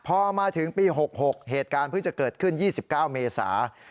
พอมาถึงปี๖๖เหตุการณ์เพิ่งจะเกิดขึ้น๒๙เมษา